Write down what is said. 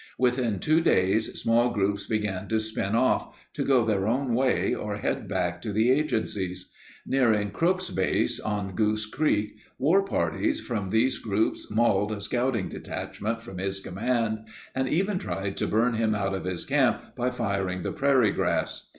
Within two days, small groups began to spin off, to go their own way or head back to the agencies. Nearing Crook's base on Goose Creek, war parties from these groups mauled a scouting detachment from his command and even tried to burn him out of his camp by firing the prairie grass.